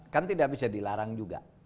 kan tidak bisa dilarang juga